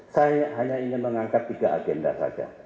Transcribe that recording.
saya hanya ingin mengangkat tiga agenda saja